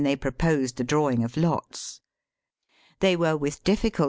387 proposed the drawing of lois. They w re with diliieull.